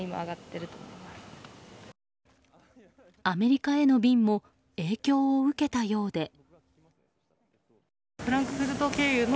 アメリカへの便も影響を受けたようで。